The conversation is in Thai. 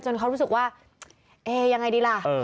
เขารู้สึกว่าเอ๊ยังไงดีล่ะ